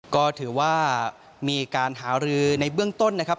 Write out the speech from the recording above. ก็ถือว่ามีการหารือในเบื้องต้นนะครับ